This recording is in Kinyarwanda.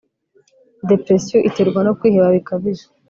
depression iterwa nokwiheba bikabije